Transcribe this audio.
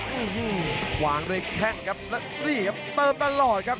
หังหัวงด้วยแค่งครับและเรียบเติมตลอดครับ